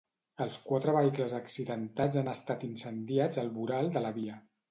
Els quatre vehicles accidentats han estat incendiats al voral de la via.